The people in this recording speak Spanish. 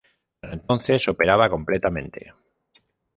Para entonces operaba completamente.